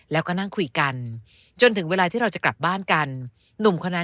แล้วก็นั่งคุยกันจนถึงเวลาที่เราจะกลับบ้านกันหนุ่มคนนั้น